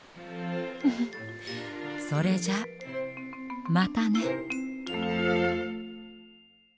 フフッそれじゃまたね。